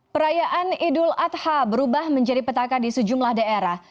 perayaan idul adha berubah menjadi petaka di sejumlah daerah